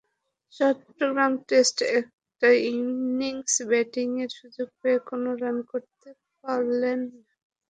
চট্টগ্রাম টেস্টে একটা ইনিংস ব্যাটিংয়ের সুযোগ পেয়ে কোনো রান করতে পারেননি।